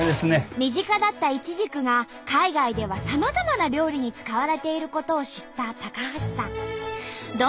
身近だったイチジクが海外ではさまざまな料理に使われていることを知った橋さん。